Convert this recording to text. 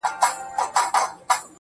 دا عجیبه شاني درد دی، له صیاده تر خیامه~